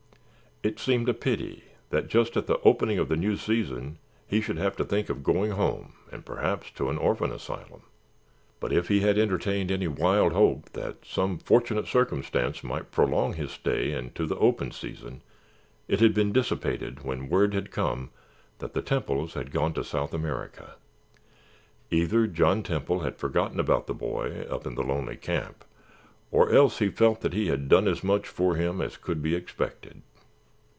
It seemed a pity that just at the opening of the new season he should have to think of going home and perhaps to an orphan asylum, but if he had entertained any wild hope that some fortunate circumstance might prolong his stay into the open season it had been dissipated when word had come that the Temples had gone to South America. Either John Temple had forgotten about the boy up in the lonely camp or else he felt that he had done as much for him as could be expected.